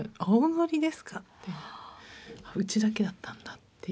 「うちだけだったんだ」っていう。